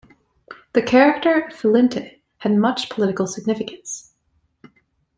The character of Philinte had much political significance.